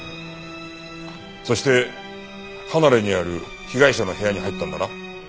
そして離れにある被害者の部屋に入ったんだな？